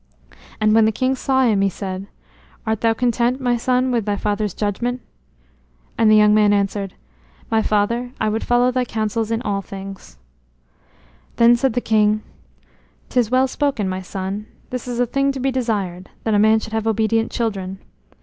And when the king saw him, he said: "Art thou content, my son, with thy father's judgment?" And the young man answered: "My father, I would follow thy counsels in all things." Then said the king: "'Tis well spoken, my son. This is a thing to be desired, that a man should have obedient children.